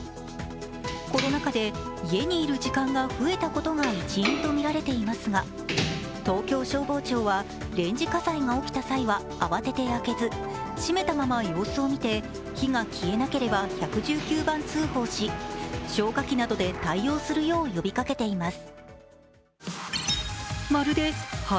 コロナ禍で家にいる時間が増えたことが一因とみられていますが東京消防庁はレンジ火災が起きた際は慌て開けず、閉めたまま様子を見て火が消えなければ１１９番通報し、消火器などで対応するよう呼びかけています。